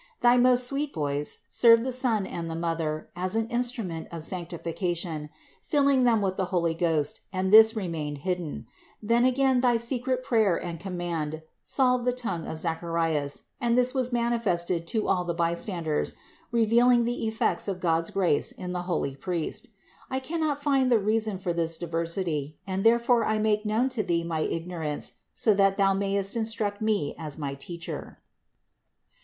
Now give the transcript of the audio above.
Thy most sweet voice served the son and the mother as an instrument of sanctification, filling them with the Holy Ghost, and this remained hidden; then again thy secret prayer and command solved the tongue of Zacharias, and this was manifested to all the bystanders, revealing the effects of God's grace in the holy priest. I cannot find the reason for this diversity, and therefore I make known to Thee my ignorance, so that Thou mayest instruct me as my Teacher.